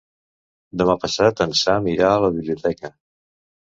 Demà passat en Sam irà a la biblioteca.